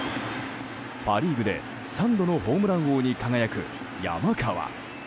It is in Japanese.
パ・リーグで３度のホームラン王に輝く山川。